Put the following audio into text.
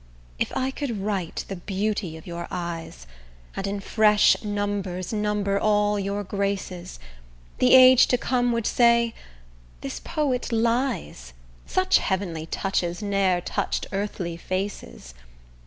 If I could write the beauty of your eyes, And in fresh numbers number all your graces, The age to come would say 'This poet lies; Such heavenly touches ne'er touch'd earthly faces.